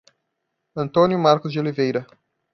Antônio Marcos de Oliveira